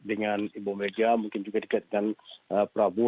dengan ibu melja mungkin juga dekat dengan prabowo